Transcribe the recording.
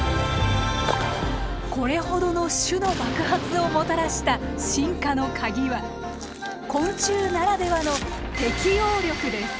これほどの種の爆発をもたらした進化のカギは昆虫ならではの適応力です。